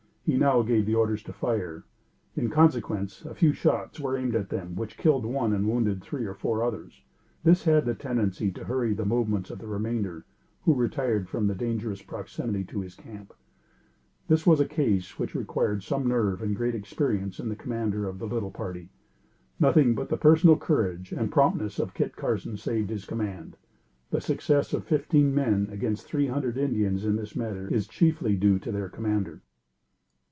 He now gave the order to fire. In consequence, a few shots were aimed at them, which killed one and wounded three or four others. This had the tendency to hurry the movements of the remainder, who retired from the dangerous proximity to his camp. This was a case which required some nerve and great experience in the commander of the little party. Nothing but the personal courage and promptness of Kit Carson saved his command. The success of fifteen men against three hundred Indians in this manner, is chiefly due to their commander.